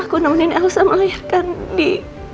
aku nungguin elsa melahirkan di